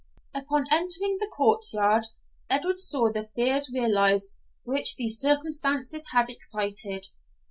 Upon entering the court yard, Edward saw the fears realised which these circumstances had excited.